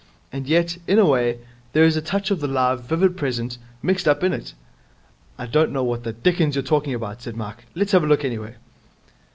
And yet, in a way, there is a touch of the live, vivid present mixed up in it.' 'I don't know what the dickens you're talking about,' said Mike. 'Let's have a look, anyway.'